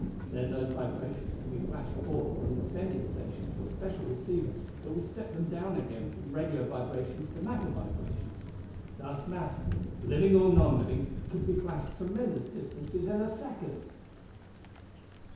Then those vibrations can be flashed forth from the sending station to a special receiver that will step them down again from radio vibrations to matter vibrations. Thus matter, living or non living, could be flashed tremendous distances in a second!